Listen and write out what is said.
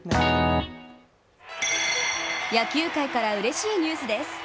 野球界からうれしいニュースです。